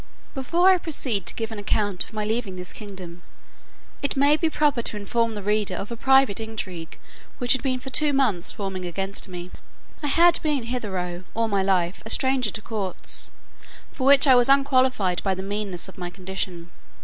Before I proceed to give an account of my leaving this kingdom, it may be proper to inform the reader of a private intrigue which had been for two months forming against me. I had been hitherto, all my life, a stranger to courts, for which I was unqualified by the meanness of my condition.